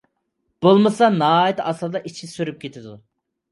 بولمىسا ناھايىتى ئاسانلا ئىچى سۈرۈپ كېتىدۇ.